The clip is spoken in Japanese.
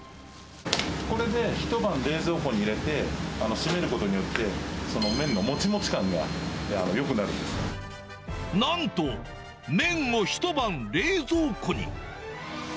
これで一晩、冷蔵庫に入れて締めることによって、なんと、麺を一晩冷蔵庫に。